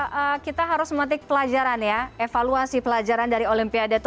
oke pak menteri kita harus memetik pelajaran ya evaluasi pelajaran dari olimpiade tokyo dua ribu dua puluh